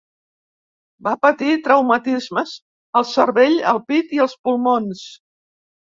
Va patir traumatismes al cervell, el pit i els pulmons.